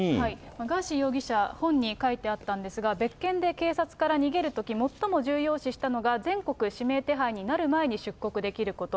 ガーシー容疑者、本に書いてあったんですが、別件で警察から逃げるとき、最も重要視したのが全国指名手配になる前に出国できること。